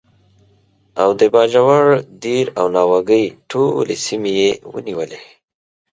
او د باجوړ، دیر او ناوګۍ ټولې سیمې یې ونیولې.